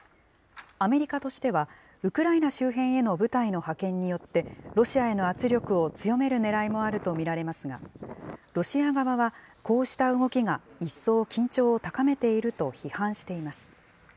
アメリカとしては、ウクライナ周辺への部隊の派遣によって、ロシアへの圧力を強めるねらいもあると見られますが、ロシア側はこうした動きが一層緊張を高めていると批判しています。